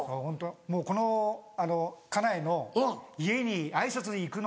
もうこのあの家内の家に挨拶に行くのが。